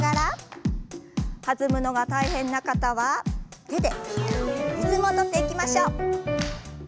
弾むのが大変な方は手でリズムを取っていきましょう。